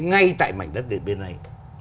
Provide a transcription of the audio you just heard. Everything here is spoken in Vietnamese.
ngay tại mảnh đất điện biên này